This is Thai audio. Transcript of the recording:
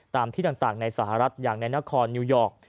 ที่ต่างในสหรัฐอย่างในนครนิวยอร์ก